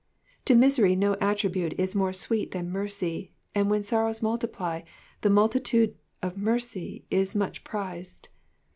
To miser J no attribute is more sweet than mercy, and when sorrows multiply, the multitude of mercy is much prized.